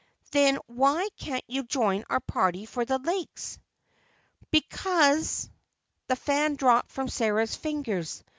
"Then why can't you join our party for the Lakes?" "Because—" The fan dropped from Sarah's fingers.